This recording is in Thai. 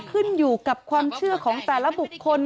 ขึ้นอยู่กับความเชื่อของแต่ละบุคคล